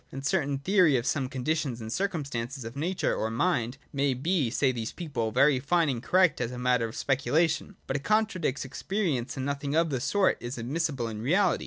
A certain theory of some conditions and circumstances of nature or mind may be, say these people, very fine and correct as a matter of speculation, but it contradicts experience and nothing of the sort is admissible in reality.